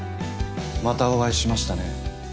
またお会いしましたね